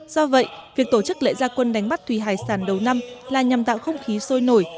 do vậy việc tổ chức lễ gia quân đánh bắt thủy hải sản đầu năm là nhằm tạo không khí sôi nổi